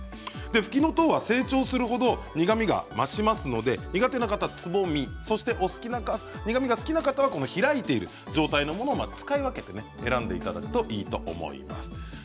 でふきのとうは成長するほど苦みが増しますので苦手な方はつぼみそして苦みが好きな方はこの開いている状態のものを使い分けて選んでいただくといいと思います。